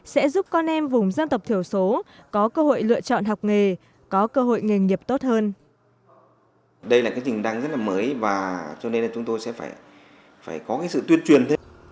sẽ giúp con em vùng dân tộc thiểu số có cơ hội lựa chọn học nghề có cơ hội nghề nghiệp tốt hơn